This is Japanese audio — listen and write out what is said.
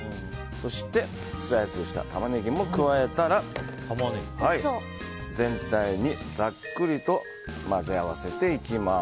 そして、スライスしたタマネギも加えたら全体にざっくりと混ぜ合わせていきます。